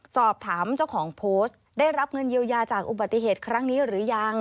สอบถามเจ้าของโพสต์ได้รับเงินเยียวยาจากอุบัติเหตุครั้งนี้หรือยัง